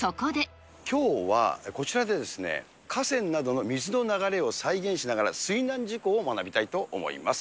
きょうはこちらでですね、河川などの水の流れを再現しながら水難事故を学びたいと思います。